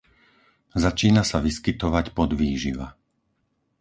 Začína sa vyskytovať podvýživa.